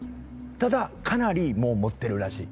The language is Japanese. ただかなりもう持ってるらしい。